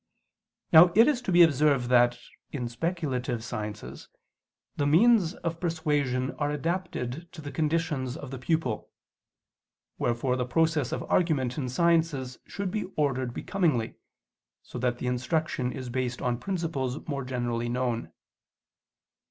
Now it is to be observed that, in speculative sciences, the means of persuasion are adapted to the conditions of the pupil: wherefore the process of argument in sciences should be ordered becomingly, so that the instruction is based on principles more generally known.